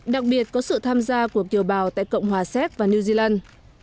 đặc biệt có sự tham gia của kiều bào tại cộng hòa séc và new zealand